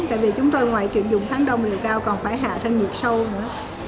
tại vì chúng tôi ngoài chuyện dùng tháng đông liều cao còn phải hạ thân nhiệt sâu nữa